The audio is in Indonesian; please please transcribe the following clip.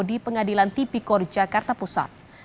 di pengadilan tipi kor jakarta pusat